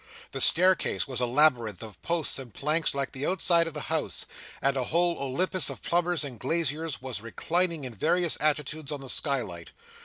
The staircase was a labyrinth of posts and planks like the outside of the house, and a whole Olympus of plumbers and glaziers was reclining in various attitudes, on the skylight.